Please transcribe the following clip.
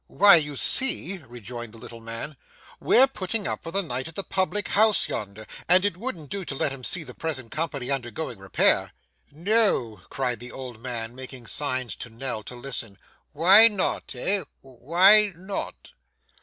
'Why you see,' rejoined the little man, 'we're putting up for to night at the public house yonder, and it wouldn't do to let 'em see the present company undergoing repair.' 'No!' cried the old man, making signs to Nell to listen, 'why not, eh? why not?